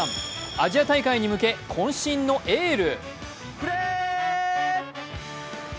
アジア大会に向けこん身のエール。